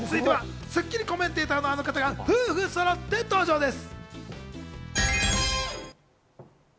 続いては『スッキリ』コメンテーターのあの方が夫婦そろって登場です。